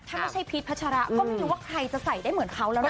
ถ้าไม่ใช่พีชพัชระก็ไม่รู้ว่าใครจะใส่ได้เหมือนเขาแล้วนะ